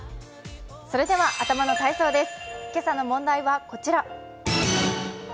それでは頭の体操です。